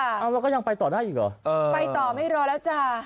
เอาแล้วก็ยังไปต่อได้อีกเหรอเออไปต่อไม่รอแล้วจ้า